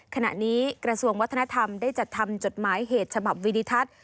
ขณะนี้กระทรวงวัฒนธรรมได้จัดทำจดหมายเหตุฉบับวิดิทัศน์